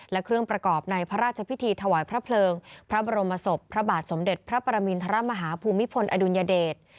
และเครื่องประกอบในพระราชพิธีถวายพระเพลิงพระบรมศพพระบาทสมเด็จพระปรมินทรมาฮาภูมิพลอดุลยเดช